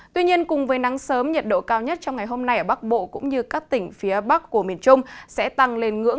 tuy nhiên cùng với nắng sớm nhiệt độ cao nhất trong ngày hôm nay ở bắc bộ cũng như các tỉnh phía bắc của miền trung sẽ tăng lên ngưỡng